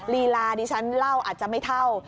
ลีลาดิฉันเล่าอาจจะไม่เท่า